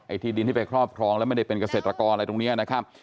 ที่ดินที่ไปครอบครองแล้วไม่ได้เป็นเกษตรกรอะไรตรงนี้นะครับ